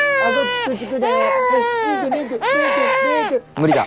無理だ。